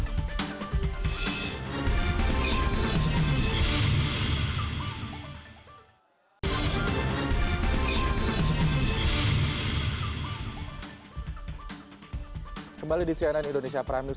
kami segera kembali di cnn indonesia prime news